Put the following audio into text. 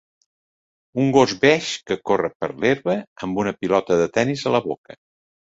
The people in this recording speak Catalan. Un gos beix que corre per l'herba amb una pilota de tennis a la boca.